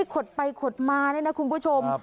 ขดไปขดมานี่นะคุณผู้ชม